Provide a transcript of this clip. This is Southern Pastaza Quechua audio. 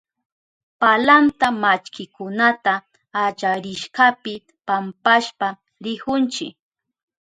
Palanta mallkikunata allarishkapi pampashpa rihunchi.